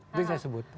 itu yang saya sebut